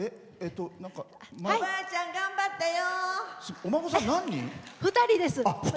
おばあちゃん頑張ったよ。